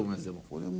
これも。